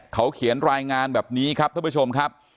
เขาเขียนรายงานแบบนี้ครับท่านผู้ชมครับ